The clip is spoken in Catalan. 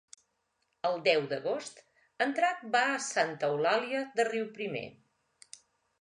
El deu d'agost en Drac va a Santa Eulàlia de Riuprimer.